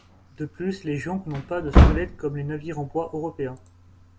De plus les jonques n'ont pas de squelette comme les navires en bois européens.